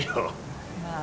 まあ。